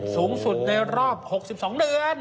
สูงสุดในรอบ๖๒เดือน